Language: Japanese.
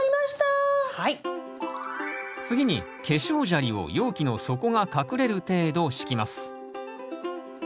次に化粧砂利を容器の底が隠れる程度敷きます。